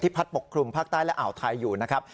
พัดปกคลุมภาคใต้และอ่าวไทยอยู่นะครับ